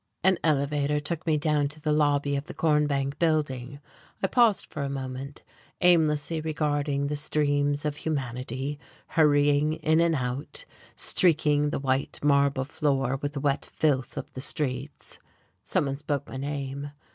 An elevator took me down to the lobby of the Corn Bank Building. I paused for a moment, aimlessly regarding the streams of humanity hurrying in and out, streaking the white marble floor with the wet filth of the streets. Someone spoke my name.